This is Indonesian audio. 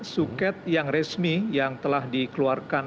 suket yang resmi yang telah dikeluarkan